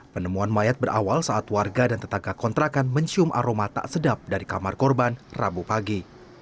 penemuan mayat berawal saat warga dan tetangga kontrakan mencium aroma tak sedap dari kamar korban rabu pagi